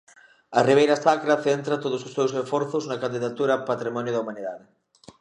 A Ribeira Sacra centra todos os seus esforzos na candidatura a Patrimonio da Humanidade.